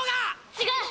違う！